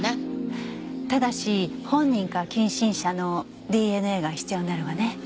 ただし本人か近親者のＤＮＡが必要になるわね。